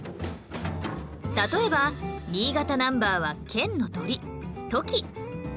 例えば新潟ナンバーは県の鳥トキ